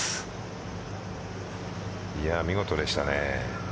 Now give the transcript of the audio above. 見事でしたね。